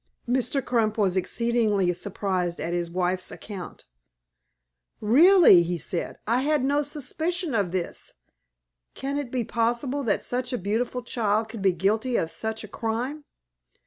Mr. Crump was exceedingly surprised at his wife's account. "Really," he said, "I had no suspicion of this. Can it be possible that such a beautiful child could be guilty of such a crime?"